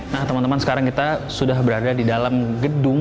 nah teman teman sekarang kita sudah berada di dalam gedung